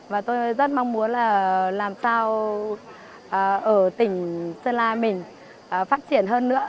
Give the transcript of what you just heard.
và tôi rất mong muốn là làm sao ở tỉnh sơn la mình phát triển hơn nữa